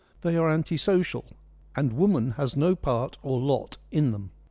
They are anti social, and woman has no part or lot in them.